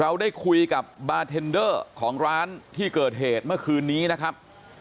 เราได้คุยกับบาร์เทนเดอร์ของร้านที่เกิดเหตุเมื่อคืนนี้นะครับ